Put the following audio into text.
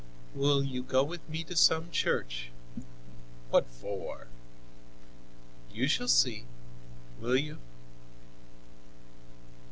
"Will you go with me to some church?" "What for?" "You shall see. Will you?"